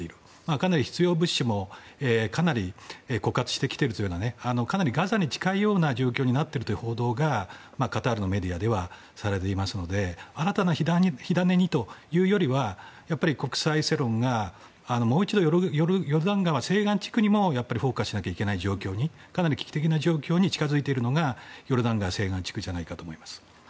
かなり必要物資も枯渇してきているというようなかなりガザに近いような状況になっているという報道がカタールのメディアではされていますので新たな火種にというよりは国際世論がもう一度ヨルダン川西岸地区にもフォーカスしなきゃいけない状況に近づいてきているのがヨルダン川西岸地区じゃないかと思います。